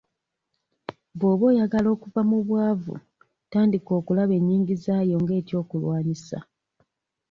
Bw'oba oyagala okuva mu bwavu tandika okulaba ennyingizaayo nga eky'okulwanisa.